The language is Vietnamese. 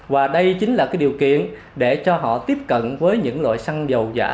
và đây chính là điều kiện để cho họ tiếp cận với những loại xăng dầu giả